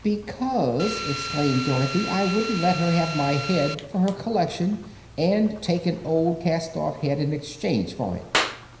"Because," exclaimed Dorothy, "I wouldn't let her have my head for her collection, and take an old, cast off head in exchange for it."